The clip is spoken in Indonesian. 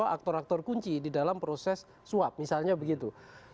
aktor aktor kunci di dalam proses suap misalnya begitu